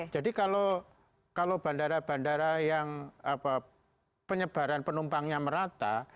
jadi kalau bandara bandara yang penyebaran penumpangnya merata